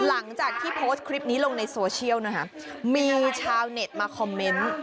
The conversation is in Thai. หลังจากที่โพสต์คลิปนี้ลงในโซเชียลนะคะมีชาวเน็ตมาคอมเมนต์